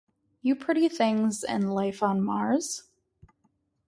You Pretty Things", and "Life on Mars?